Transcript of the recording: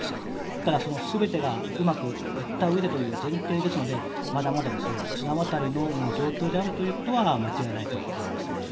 ただ、全てがうまくいったうえでという前提ですのでまだまだ綱渡りの状況であるということは間違いないと思いますね。